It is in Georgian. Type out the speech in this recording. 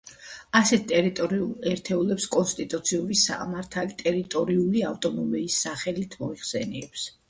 ასეთ ტერიტორიულ ერთეულებს კონსტიტუციური სამართალი ტერიტორიული ავტონომიების სახელით მოიხსენიებს.